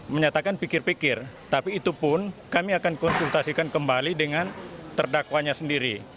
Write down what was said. menyatakan pikir pikir tapi itu pun kami akan konsultasikan kembali dengan terdakwanya sendiri